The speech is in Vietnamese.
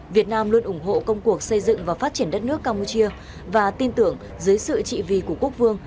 việt nam luôn ủng hộ công cuộc xây dựng và phát triển đất nước campuchia và tin tưởng dưới sự trị vì của quốc vương